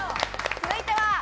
続いては。